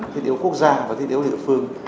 thiết yếu quốc gia và thiết yếu địa phương